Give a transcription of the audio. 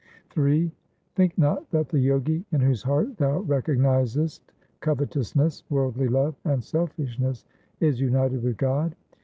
Ill Think not that that Jogi In whose heart thou recognizest covetousness, worldly love, and selfishness is united with God.